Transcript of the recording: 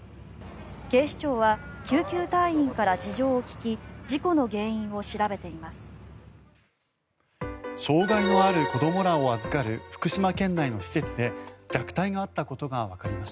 警視庁は救急隊員から事情を聴き事故の原因を調べています。